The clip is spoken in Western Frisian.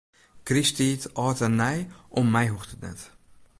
Krysttiid, âld en nij, om my hoecht it net.